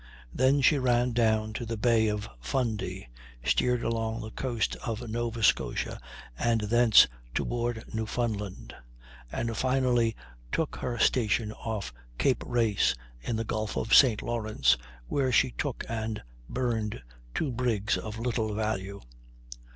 Then she ran down to the Bay of Fundy, steered along the coast of Nova Scotia, and thence toward Newfoundland, and finally took her station off Cape Race in the Gulf of St. Lawrence, where she took and burned two brigs of little value.